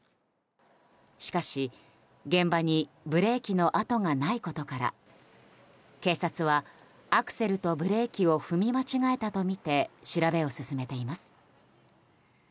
しかし、現場にブレーキの跡がないことから警察はアクセルとブレーキを踏み間違えたとみて調べを進めています。